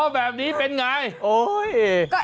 แบบนี้เป็นไงโอ้ย